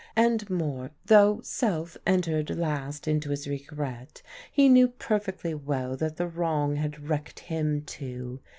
And more; though self entered last into his regret, he knew perfectly well that the wrong had wrecked him too.